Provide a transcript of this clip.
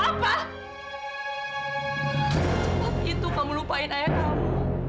kenapa itu kamu lupain ayah kamu